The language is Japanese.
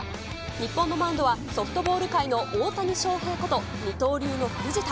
日本のマウンドは、ソフトボール界の大谷翔平こと、二刀流の藤田。